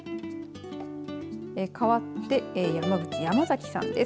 かわって山口、山崎さんです。